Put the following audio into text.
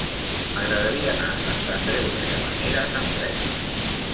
M'agradaria anar a Sant Andreu de Llavaneres amb tren.